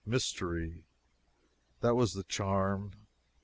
Mystery! That was the charm.